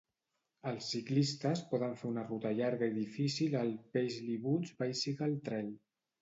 Els ciclistes poden fer una ruta llarga i difícil al Paisley Woods Bicycle Trail.